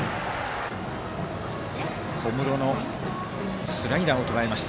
小室のスライダーをとらえました。